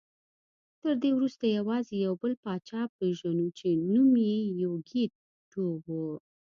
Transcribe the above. تر دې وروسته یوازې یو بل پاچا پېژنو چې نوم یې یوکیت ټو و